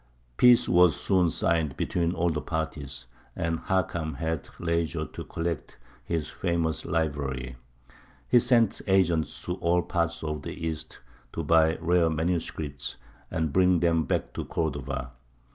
Peace was soon signed between all the parties, and Hakam had leisure to collect his famous library. He sent agents to all parts of the East to buy rare manuscripts, and bring them back to Cordova.